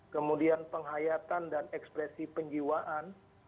kemudian penghayatan dan ekspresi penjiwaan